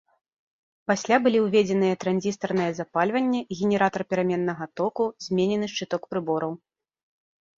Пасля былі ўведзеныя транзістарнае запальванне, генератар пераменнага току, зменены шчыток прыбораў.